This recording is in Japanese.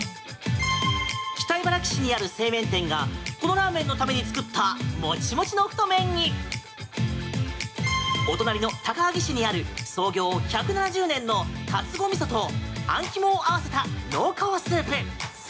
北茨城市にある製麺店がこのラーメンのために作ったモチモチの太麺にお隣の高萩市にある創業１７０年のたつご味噌とあん肝を合わせた濃厚スープ。